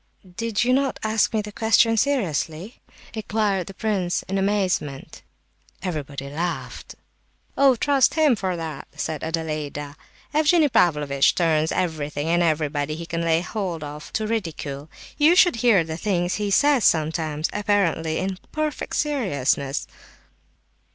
"Did not you ask me the question seriously" inquired the prince, in amazement. Everybody laughed. "Oh, trust him for that!" said Adelaida. "Evgenie Pavlovitch turns everything and everybody he can lay hold of to ridicule. You should hear the things he says sometimes, apparently in perfect seriousness."